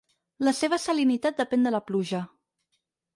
La seva salinitat depèn de la pluja.